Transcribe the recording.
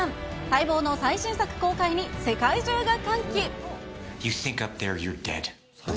待望の最新作公開に、世界中が歓喜。